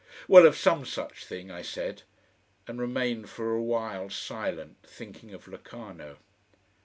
"Well, of some such thing," I said, and remained for awhile silent, thinking of Locarno.